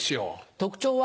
特徴は？